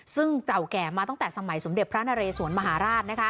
ซึ่งเก่าแก่มาตั้งแต่สมัยสมเด็จพระนเรสวนมหาราช